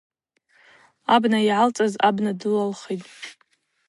Абна йгӏалцӏыз абна дылалхитӏ.